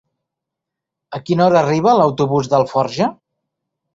A quina hora arriba l'autobús d'Alforja?